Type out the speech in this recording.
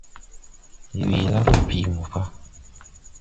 Ndi wii laa ga bii mo pa.